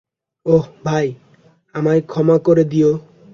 ওহ, ভাই, আমায় ক্ষমা করে দিও।